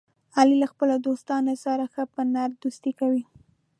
علي له خپلو دوستانو سره ښه په نره دوستي کوي.